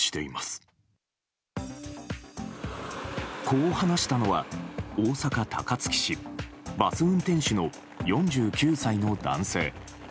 こう話したのは大阪・高槻市バス運転手の４９歳の男性。